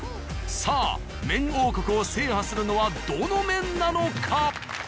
さあ麺王国を制覇するのはどの麺なのか？